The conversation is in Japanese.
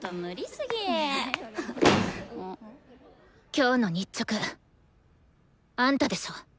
今日の日直あんたでしょ？